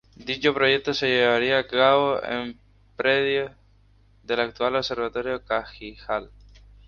Dicho proyecto se llevaría a cabo en predios del actual Observatorio Cagigal.